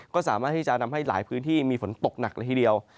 ก็สามารถที่จะทำให้หลายพื้นที่มีฝนตกหนักละทีเดียว